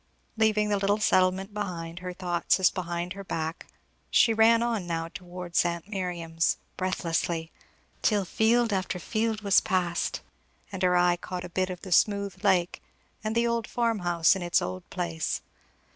Leaving the little settlement behind her thoughts as behind her back, she ran on now towards aunt Miriam's, breathlessly, till field after field was passed and her eye caught a bit of the smooth lake and the old farmhouse in its old place.